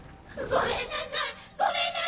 ごめんなさい！